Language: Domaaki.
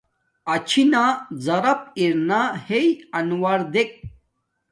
اچھِنݳ زَرَپ اِرݳنݳ ہݵئ اَنݸر دݵک.